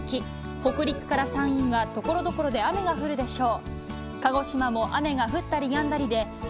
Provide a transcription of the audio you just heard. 北陸から山陰はところどころで雨が降るでしょう。